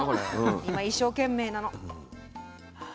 今一生懸命なの。